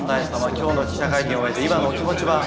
今日の記者会見を終えて今のお気持ちは？